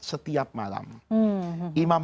setiap malam imam